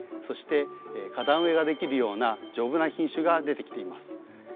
そして花壇植えができるような丈夫な品種が出てきています。